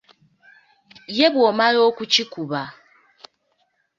Ye bw’omala okikuba